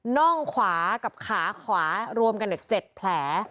น่องขวากับขาขวารวมกันอีก๗แผล